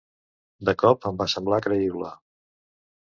De cop em va semblar creïble.